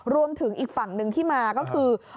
รวมถึงอีกฝั่งหนึ่งที่มาก็คือ